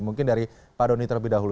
mungkin dari pak doni terlebih dahulu